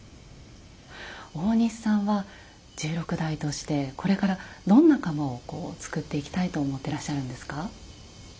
大西さんは十六代としてこれからどんな釜を作っていきたいと思ってらっしゃるんですか？